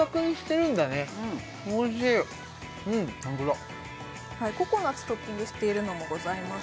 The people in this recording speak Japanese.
うんホントだココナツトッピングしているのもございます